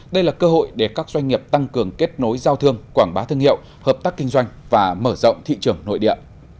đây là cơ hội để các doanh nghiệp tăng cường kết nối giao thương quảng bá thương hiệu hợp tác kinh doanh và mở rộng thị trường nội địa